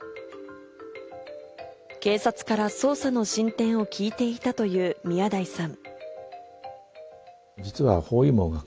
警察から捜査の進展を聞いていたという宮台さん。